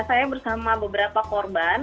saya bersama beberapa orang